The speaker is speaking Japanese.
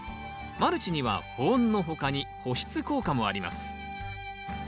マルチには保温の他に保湿効果もあります。